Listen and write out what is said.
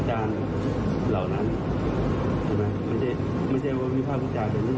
ใช่ไหมไม่เจอวิภาพาคุณกางเหรอ